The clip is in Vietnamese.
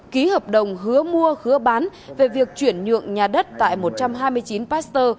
ký hợp đồng hứa mua hứa bán về việc chuyển nhượng nhà đất tại một trăm hai mươi chín pasteur